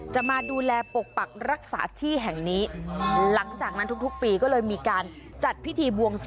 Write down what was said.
จะมาดูแลปกปักรักษาที่แห่งนี้หลังจากนั้นทุกทุกปีก็เลยมีการจัดพิธีบวงสวง